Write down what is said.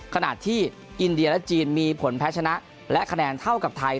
ขณะที่อินเดียและจีนมีผลแพ้ชนะและคะแนนเท่ากับไทย